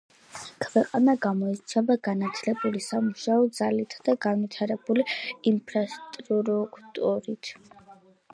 ქვეყანა გამოირჩევა განათლებული სამუშაო ძალითა და განვითარებული ინფრასტრუქტურით.